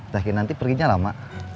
zaki nanti perginya lama